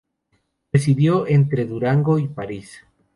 Residió entre Durango y París.